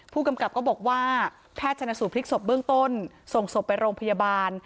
ผู้กำกับก็บอกว่าแพทย์ชนสูตรพลิกศพเบื้องต้นส่งศพไปโรงพยาบาล